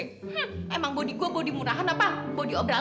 hah emang bodi gue bodi murahan apa bodi obralan